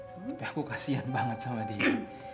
tapi aku kasian banget sama dia